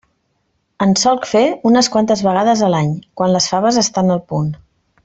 En solc fer unes quantes vegades a l'any, quan les faves estan al punt.